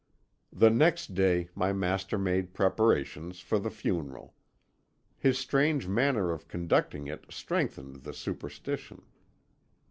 "The next day my master made preparations for the funeral. His strange manner of conducting it strengthened the superstition.